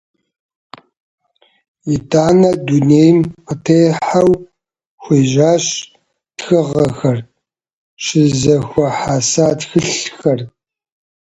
Итӏанэ дунейм къытехьэу хуежьащ тхыгъэхэр щызэхуэхьэса тхылъхэр.